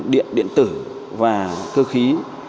điện điện tử và cơ khí